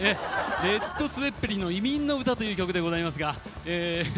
レッド・ツェッペリンの「移民の歌」という曲でございますが。